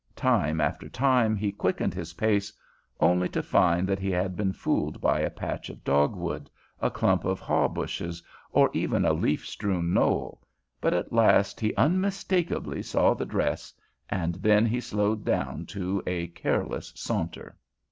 Time after time he quickened his pace, only to find that he had been fooled by a patch of dogwood, a clump of haw bushes or even a leaf strewn knoll, but at last he unmistakably saw the dress, and then he slowed down to a careless saunter.